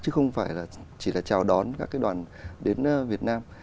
chứ không phải là chỉ là chào đón các cái đoàn đến việt nam